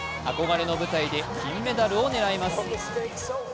憧れの舞台で金メダルを狙います。